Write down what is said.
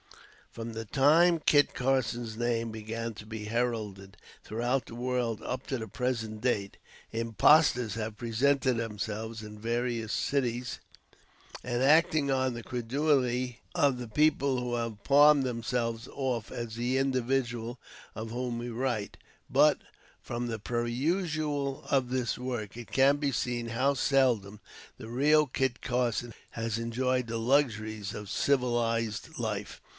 From the time Kit Carson's name began to be heralded throughout the world up to the present date, impostors have presented themselves in various cities; and, acting on the credulity of the people, they have palmed themselves off as the individual of whom we write; but, from the perusal of this work, it can be seen how seldom the real Kit Carson has enjoyed the luxuries of civilized life.